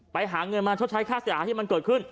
ไปหาเงินมาชดใช้ค่าเสียหายที่มันเกิดขึ้น